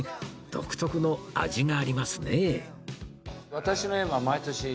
独特の味がありますね